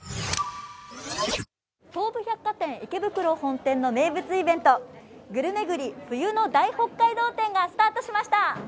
東武百貨店池袋本店の名物イベント、ぐるめぐり冬の大北海道展がスタートしました。